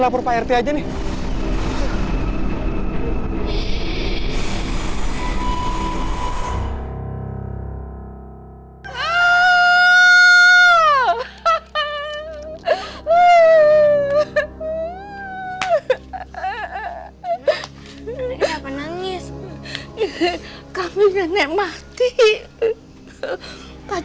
pampir itu nggak ada